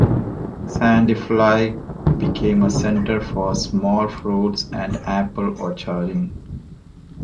Sandfly became a center for small fruits and apple orcharding.